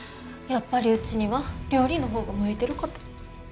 やっぱりうちには料理の方が向いてるかと。